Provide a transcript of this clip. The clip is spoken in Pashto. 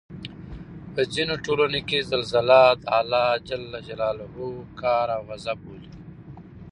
په ځینو ټولنو کې زلزله د الله ج قهر او غصب بولي